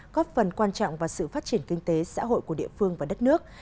góp phần quan trọng vào sự phát triển kinh tế xã hội của địa phương và đất nước